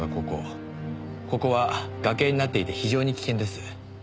ここは崖になっていて非常に危険です。